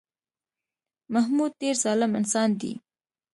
محمود ډېر ظالم انسان دی